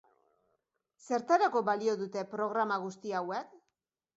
Zertarako balio dute programa guzti hauek?